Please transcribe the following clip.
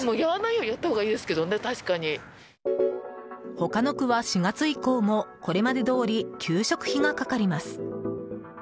他の区は、４月以降もこれまでどおり給食費がかかります。